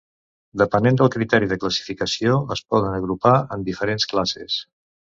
Depenent del criteri de classificació es poden agrupar en diferents classes.